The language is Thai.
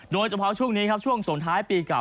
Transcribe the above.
โดยเฉพาะช่วงนี้ครับช่วงสงท้ายปีเก่า